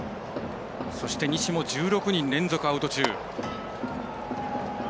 西も１６人連続アウト中。